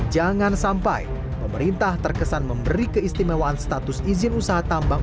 jangan sampai pemerintah terkesan memberi keistimewaan status izin usaha tambang